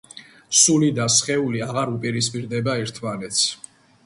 სული და სხეული აღარ უპირისპირდება ერთმანეთს.